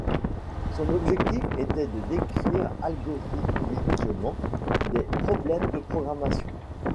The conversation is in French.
Son objectif était de décrire algorithmiquement des problèmes de programmation.